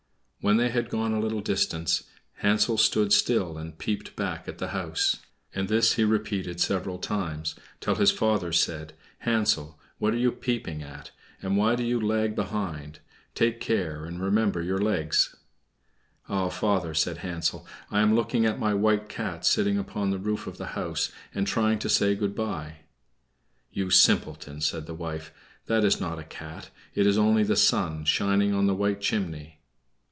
When they had gone a little distance, Hansel stood still, and peeped back at the house; and this he repeated several times, till his father said, "Hansel, what are you peeping at, and why do you lag behind? Take care, and remember your legs." "Ah, father," said Hansel, "I am looking at my white cat sitting upon the roof of the house, and trying to say good bye." "You simpleton!" said the wife, "that is not a cat; it is only the sun shining on the white chimney."